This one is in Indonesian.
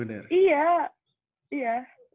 oh udah ke pick